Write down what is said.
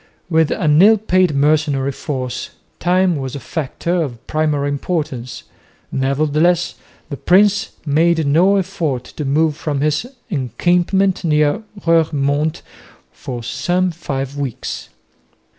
With an ill paid mercenary force time was a factor of primary importance, nevertheless the prince made no effort to move from his encampment near Roeremonde for some five weeks.